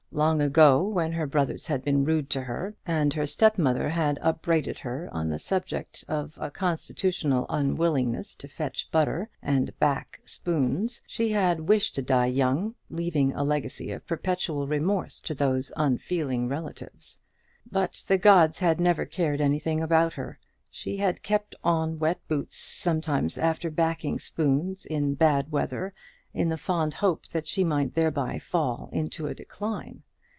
Long ago, when her brothers had been rude to her, and her step mother had upbraided her on the subject of a constitutional unwillingness to fetch butter, and "back" teaspoons, she had wished to die young, leaving a legacy of perpetual remorse to those unfeeling relatives. But the gods had never cared anything about her. She had kept on wet boots sometimes after "backing" spoons in bad weather, in the fond hope that she might thereby fall into a decline.